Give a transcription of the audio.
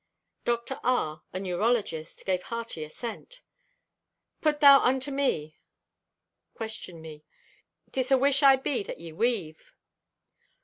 Dr. R., a neurologist, gave hearty assent. "Put thou unto me. (Question me.) 'Tis awish I be that ye weave."